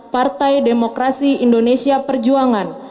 partai demokrasi indonesia perjuangan